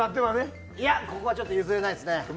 ここはちょっと譲れないですね。